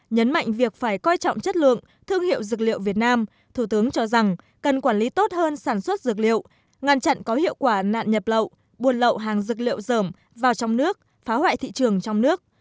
nhấn mạnh việc phải coi trọng chất lượng thương hiệu dược liệu việt nam thủ tướng cho rằng cần quản lý tốt hơn sản xuất dược liệu ngăn chặn có hiệu quả nạn nhập lậu buôn lậu hàng dược liệu dởm vào trong nước phá hoại thị trường trong nước